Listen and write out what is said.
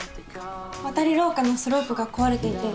わたりろうかのスロープが壊れていて。